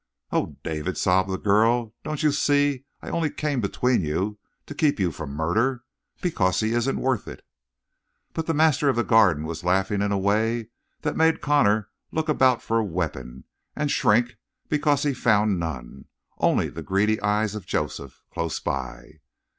"Oh, David," sobbed the girl, "don't you see I only came between you to keep you from murder? Because he isn't worth it!" But the master of the Garden was laughing in a way that made Connor look about for a weapon and shrink because he found none; only the greedy eyes of Joseph, close by.